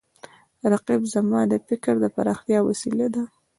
رقیب زما د فکر د پراختیا وسیله ده